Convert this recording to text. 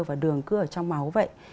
và đường cứ ở trong máu vậy